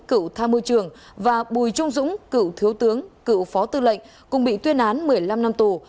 cựu tham mưu trường và bùi trung dũng cựu thiếu tướng cựu phó tư lệnh cùng bị tuyên án một mươi năm năm tù